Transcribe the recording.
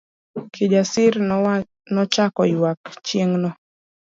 Kijasir nochako ywak chieng'no.